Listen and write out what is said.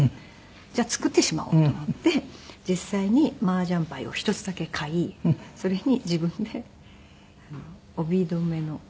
じゃあ作ってしまおうと思って実際にマージャンパイを１つだけ買いそれに自分で帯留めの金具を。